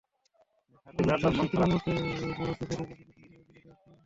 সংশ্লিষ্ট সূত্রমতে, অপরাধ লুকাতেই কৌশলে ফাইল থেকে এগুলো গায়েব করা হয়।